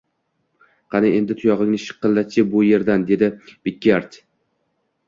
Qani, endi tuyog`ingni shiqillat-chi bu erdan, dedi Brekket